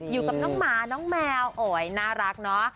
อยู่กับน้องหมาน้องแมวโอ๊ยน่ารักเนาะ